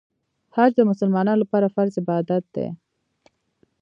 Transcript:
حج د مسلمانانو لپاره فرض عبادت دی.